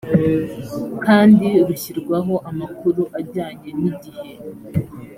kandi rushyirwaho amakuru ajyanye n igihe